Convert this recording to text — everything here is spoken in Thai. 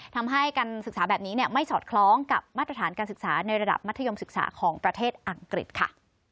ทำให้การศึกษาแบบนี้ไม่สอดคล้องกับมาตรฐานการศึกษาในระดับมัธยมศึกษาของประเทศอังกฤษค่ะ